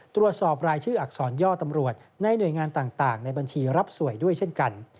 ตรวจสอบรายชื่ออักษรย่อตำรวจในหน่วยงานต่างในบัญชีรับสวยด้วยเช่นกัน